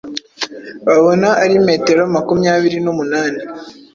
babona ari metero makumyabiri n’umunani.